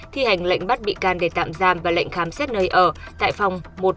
thi hành lệnh bắt bị can để tạm giam và lệnh khám xét nơi ở tại phòng một nghìn một trăm một mươi chín